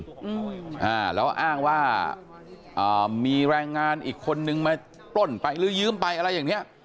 อืมอ่าแล้วอ้างว่าอ่ามีแรงงานอีกคนนึงมาปล้นไปหรือยืมไปอะไรอย่างเนี้ย